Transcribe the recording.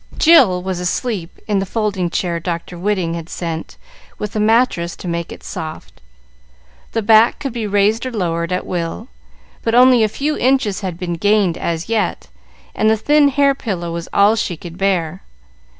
Jill was asleep in the folding chair Dr. Whiting had sent, with a mattress to make it soft. The back could be raised or lowered at will; but only a few inches had been gained as yet, and the thin hair pillow was all she could bear.